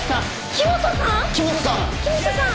黄本さん。